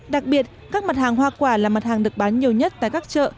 đặc biệt các mặt hàng hoa quả là mặt hàng được bán nhiều nhất tại các chợ